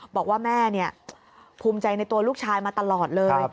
บอกว่าแม่ภูมิใจในตัวลูกชายมาตลอดเลย